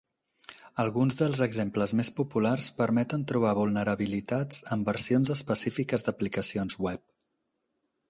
Alguns dels exemples més populars permeten trobar vulnerabilitats en versions específiques d'aplicacions web.